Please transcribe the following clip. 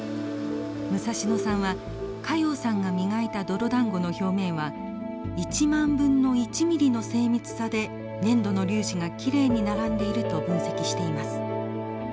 武蔵野さんは加用さんが磨いた泥だんごの表面は１万分の１ｍｍの精密さで粘土の粒子がきれいに並んでいると分析しています。